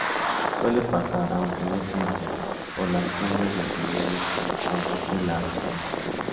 Suele pasar, aunque no siempre, por las cumbres del relieve que produce la separación.